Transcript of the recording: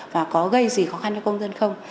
và có gây gì khó khăn cho công dân không